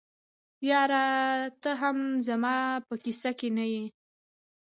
یاره ته هم زما په کیسه کي نه یې.